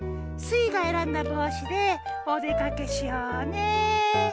スイがえらんだぼうしでおでかけしようね。